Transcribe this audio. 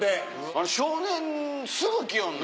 あの少年すぐ来よんな。